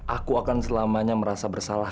aku akan selamanya merasa bersalah